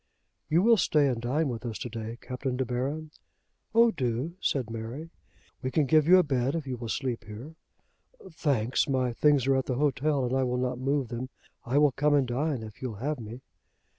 "You will stay and dine with us to day, Captain De Baron?" "Oh, do," said Mary. "We can give you a bed if you will sleep here." "Thanks. My things are at the hotel, and I will not move them. I will come and dine if you'll have me."